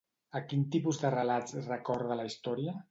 A quin tipus de relats recorda la història?